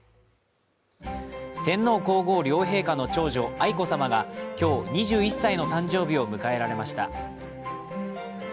天皇皇后両陛下の長女・愛子さまが今日、２１歳の誕生日を迎えられました。